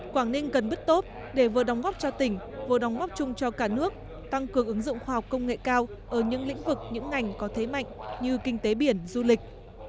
quảng ninh cần bứt tốt để vừa đóng góp cho tỉnh vừa đóng góp chung cho cả nước tăng cường ứng dụng khoa học công nghệ cao ở những lĩnh vực những ngành có thế mạnh như kinh tế biển du lịch